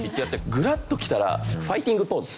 グラッときたらファイティングポーズ。